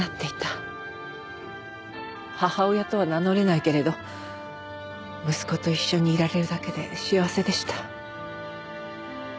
今でも母親とは名乗れないけれど息子と一緒にいられるだけで幸せでした。